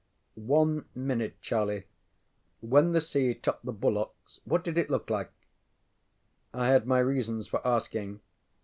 ŌĆØ ŌĆ£One minute, Charlie. When the sea topped the bulwarks, what did it look like? ŌĆØ I had my reasons for asking.